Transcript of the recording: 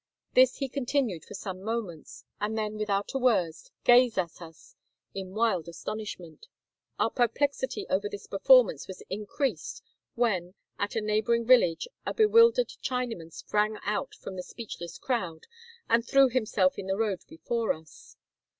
This he continued for some moments, and then without a word gazed at us in wild astonishment. Our perplexity over this performance was increased when, at a neighboring village, a bewildered Chinaman sprang out from the speechless crowd, and threw himself in the road before us.